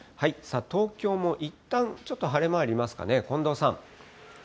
東京もいったんちょっと晴れ間ありますかね、近藤さん。